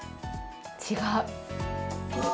違う。